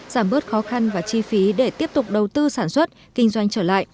giảm bớt khó khăn và chi phí để tiếp tục đầu tư sản xuất kinh doanh trở lại